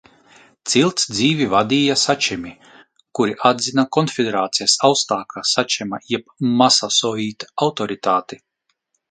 Cilts dzīvi vadīja sačemi, kuri atzina konfederācijas augstākā sačema jeb masasoita autoritāti.